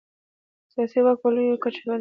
سیاسي واک په لویه کچه پاشل شوی و.